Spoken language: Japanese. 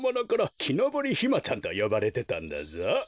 「きのぼりひまちゃん」とよばれてたんだぞ。